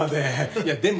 いやでも。